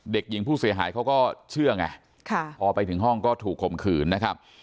เด็กหญิงผู้เสียหายเขาก็เชื่อไงพอไปถึงห้องก็ถูกข่มขืนนะครับ